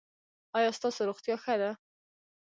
ایا ستاسو روغتیا ښه ده؟